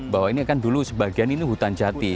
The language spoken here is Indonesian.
bahwa ini kan dulu sebagian ini hutan jati